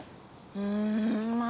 うんまあ